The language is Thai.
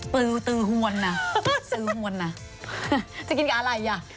ปือตือหวนนะจะกินกับอะไรอ่ะ